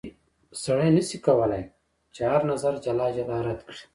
سړی نه سي کولای چې هر نظر جلا جلا رد کړي.